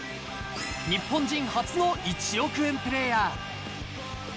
日本人初の１億円プレーヤー。